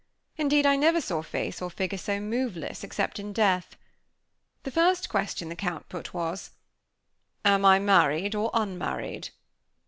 Indeed, I never saw face or figure so moveless, except in death. The first question the Count put, was: "Am I married, or unmarried?"